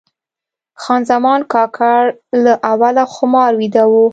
خان زمان کاکړ له اوله خمار ویده و.